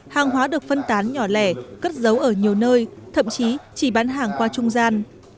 hàng hóa được phân tán nhỏ lẻ cất giấu ở nhiều nơi thậm chí chỉ bán hàng qua trung gian